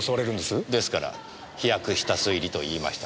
ですから飛躍した推理と言いました。